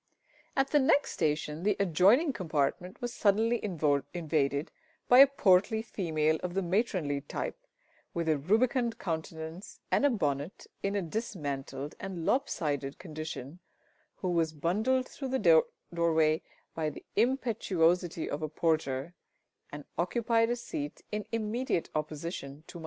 At the next station the adjoining compartment was suddenly invaded by a portly female of the matronly type, with a rubicund countenance and a bonnet in a dismantled and lopsided condition, who was bundled through the doorway by the impetuosity of a porter, and occupied a seat in immediate opposition to myself.